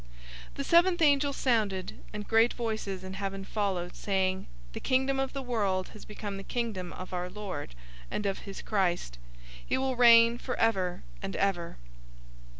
011:015 The seventh angel sounded, and great voices in heaven followed, saying, "The kingdom of the world has become the Kingdom of our Lord, and of his Christ. He will reign forever and ever!"